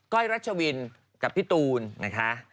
้อยรัชวินกับพี่ตูนนะคะ